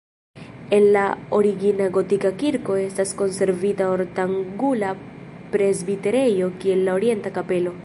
El la origina gotika kirko estas konservita ortangula presbiterejo kiel la orienta kapelo.